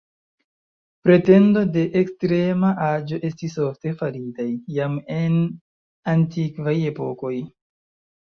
Pretendo de ekstrema aĝo estis ofte faritaj, jam en antikvaj epokoj.